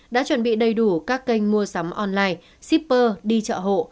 đã chuẩn bị đầy đủ các kênh mua sắm online shipper đi chợ hộ